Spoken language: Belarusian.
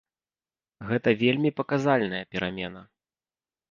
Гэта вельмі паказальная перамена.